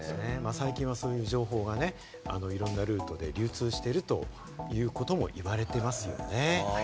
最近はそういう情報がいろんなルートで流通しているということも言われてますよね。